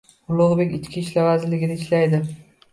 Ulug'bek ichki ishlar vazirligida ishlaydi